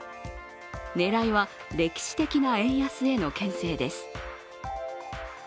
狙いは、歴史的な円安へのけん制です。